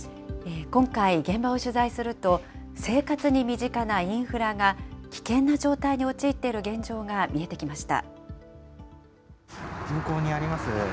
今回、現場を取材すると生活に身近なインフラが、危険な状態に陥っている現状が見えてきました。